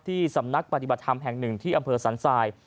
สำนักปฏิบัติธรรมแห่งหนึ่งที่อำเภอสันทราย